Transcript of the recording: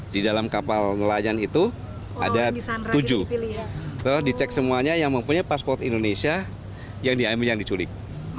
di dalam kapal ngelayan itu ada tujuh di cek semuanya yang mempunyai pasport indonesia yang diculik